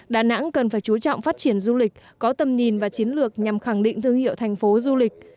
đà nẵng cần phải chú trọng phát triển du lịch có tầm nhìn và chiến lược nhằm khẳng định thương hiệu thành phố du lịch